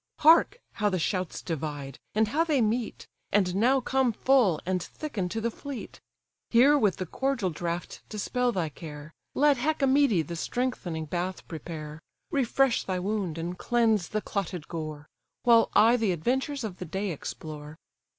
Hark! how the shouts divide, and how they meet, And now come full, and thicken to the fleet! Here with the cordial draught dispel thy care, Let Hecamede the strengthening bath prepare, Refresh thy wound, and cleanse the clotted gore; While I the adventures of the day explore."